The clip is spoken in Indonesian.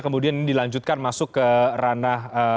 kemudian dilanjutkan masuk ke ranah